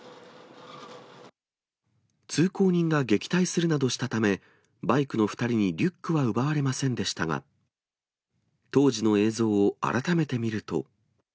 通行人が撃退するなどしたため、バイクの２人にリュックは奪われませんでしたが、当時の映像を改めて見ると。